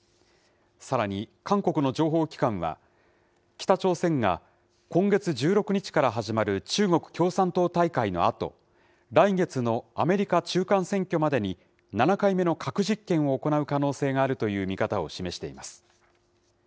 さらに、韓国の情報機関は、北朝鮮が今月１６日から始まる中国共産党大会のあと、来月のアメリカ中間選挙までに、７回目の核実験を行う可能性があるという見方を示しています。